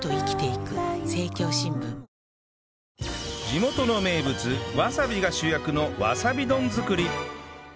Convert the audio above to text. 地元の名物わさびが主役のわさび丼作り